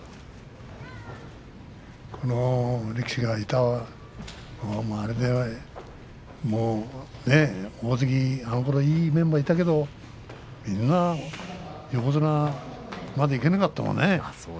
この力士がいてあのころは大関もいいメンバーがいたけど、みんな横綱までいけなかったもんね